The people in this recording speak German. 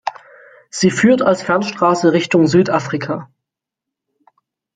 Sie führt als Fernstraße Richtung Südafrika.